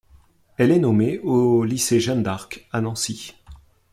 Elle est nommée au Lycée Jeanne d’Arc à Nancy.